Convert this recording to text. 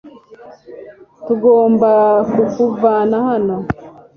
Tugomba kukuvana hano .